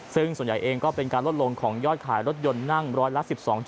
ซึ่งส่วนใหญ่เองก็เป็นการลดลงของยอดขายรถยนต์นั่งร้อยละ๑๒